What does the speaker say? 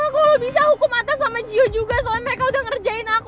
kalau bisa hukum atas sama gio juga soalnya mereka udah ngerjain aku